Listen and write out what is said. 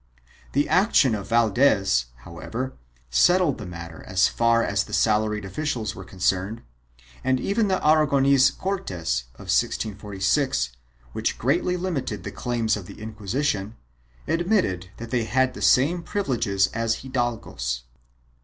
The action of Valdes, however, settled the matter as far as the salaried officials were concerned and even the Aragon ese Cortes of 1646, which greatly limited the claims of the Inqui sition, admitted that they had the same privileges as hidalgos.